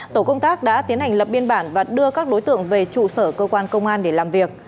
tổ công tác đã tiến hành lập biên bản và đưa các đối tượng về trụ sở cơ quan công an để làm việc